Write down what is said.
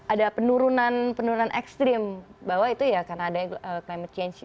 ada penurunan penurunan ekstrim bahwa itu ya karena ada climate change nya